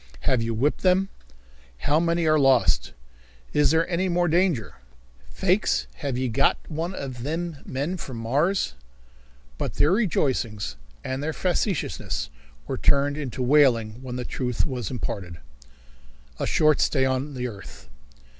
"Have you whipped them?" "How many are lost?" "Is there any more danger?" "Faix, have ye got one of thim men from Mars?" But their rejoicings and their facetiousness were turned into wailing when the truth was imparted. A Short Stay on the Earth.